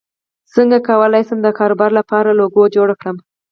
څنګه کولی شم د کاروبار لپاره لوګو جوړ کړم